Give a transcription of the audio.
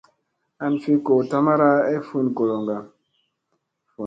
An fi goo tamara ay fun goloŋga.